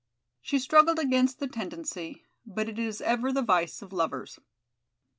She struggled against the tendency, but it is ever the vice of lovers.